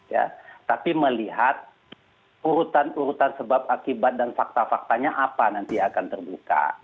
ya tapi melihat urutan urutan sebab akibat dan fakta faktanya apa nanti akan terbuka